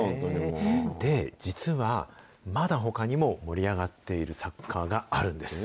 で、実は、まだほかにも盛り上がっているサッカーがあるんです。